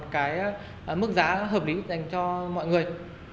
cái mức giá hợp lý dành cho mọi người